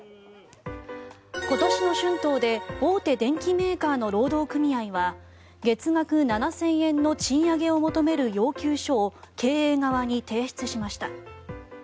今年の春闘で大手電機メーカーの労働組合は月額７０００円の賃上げを求める要求書を経営側に提出しました。